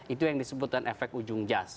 itu yang disebutkan efek ujung jas